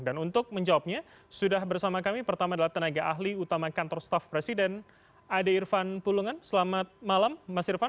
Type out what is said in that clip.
dan untuk menjawabnya sudah bersama kami pertama adalah tenaga ahli utama kantor staf presiden ade irfan pulungan selamat malam mas irfan